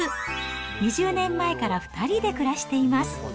２０年前から２人で暮らしています。